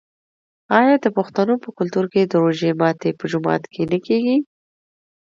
آیا د پښتنو په کلتور کې د روژې ماتی په جومات کې نه کیږي؟